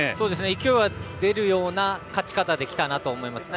勢いが出るような勝ち方できたなと思いますね。